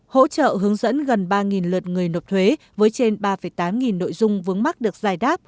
hỗ trợ hướng dẫn gần ba lượt người nộp thuế với trên ba tám nội dung vướng mắt được giải đáp